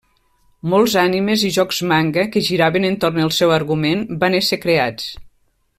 Molts animes i jocs manga, que giraven entorn del seu argument van ésser creats.